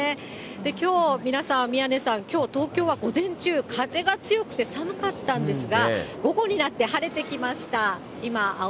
きょう、皆さん、宮根さん、きょう、東京は午前中、風が強くて寒かったんですが、午後になって晴れてきました。